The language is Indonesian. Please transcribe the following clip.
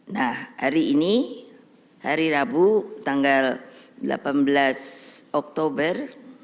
nah hari ini hari rabu tanggal delapan belas oktober dua ribu dua puluh tiga